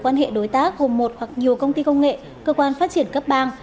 quan hệ đối tác gồm một hoặc nhiều công ty công nghệ cơ quan phát triển cấp bang